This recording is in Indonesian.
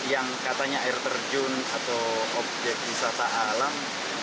yang katanya air terjun atau objek wisata alam